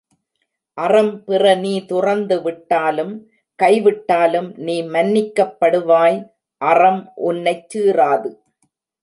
அறம் பிற நீ துறந்து விட்டாலும், கைவிட்டாலும் நீ மன்னிக்கப்படுவாய் அறம் உன்னைச் சீறாது.